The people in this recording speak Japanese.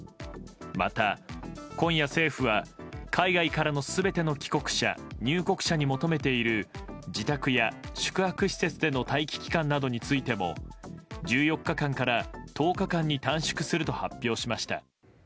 また、今夜政府は海外からの全ての帰国者、入国者に求めている自宅や宿泊施設での待機期間などについても１４日間から１０日間に短縮すると発表しました。